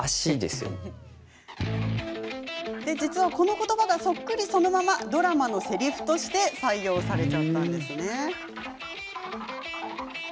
実は、この言葉がそっくりそのままドラマのせりふとして採用されちゃったんです。